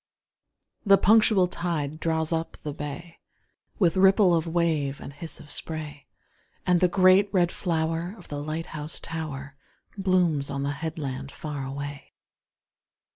The punctual tide draws up the bay, With ripple of wave and hiss of spray, And the great red flower of the light house tower Blooms on the headland far away.